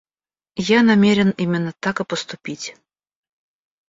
Я намерен именно так и поступить.